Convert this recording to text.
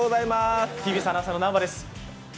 ＴＢＳアナウンサーの南波です。